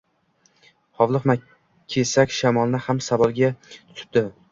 Hovliqma kesak shamolni ham savolga tutibdi